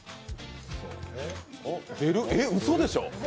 えっ、うそでしょ